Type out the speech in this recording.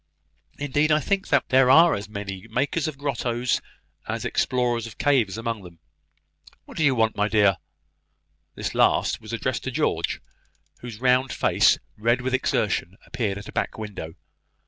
Indeed, I think there are as many makers of grottoes as explorers of caves among them. What do you want, my dear?" This last was addressed to George, whose round face, red with exertion, appeared at a back window.